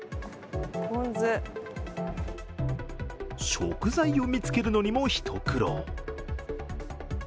食材を見つけるのにも一苦労。